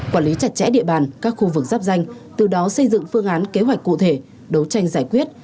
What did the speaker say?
quản lý chặt chẽ địa bàn các khu vực giáp danh từ đó xây dựng phương án kế hoạch cụ thể đấu tranh giải quyết